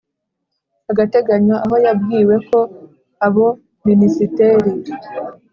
agateganyo aho yabwiwe ko abo Minisiteri